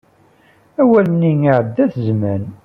Awal-nni iɛedda-t zzman.